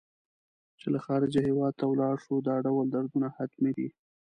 چې له خارجه هېواد ته ولاړ شو دا ډول دردونه حتمي دي.